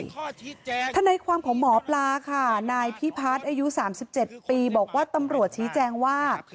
ทนายความของหมอปลาค่ะนายพิพัฒน์อายุ๓๗ปีบอกว่าตำรวจชี้แจงว่า